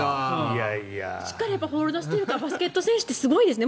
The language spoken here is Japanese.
しっかりホールドしてるからバスケット選手ってすごいですね。